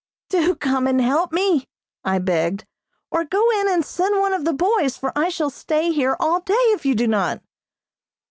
"Do come and help me," I begged, "or go in and send one of the boys, for I shall stay here all day if you do not."